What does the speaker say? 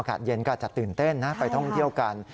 เย็นก็อาจจะตื่นเต้นนะไปท่องเที่ยวกัน